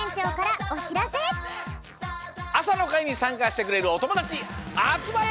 あさのかいにさんかしてくれるおともだちあつまれ！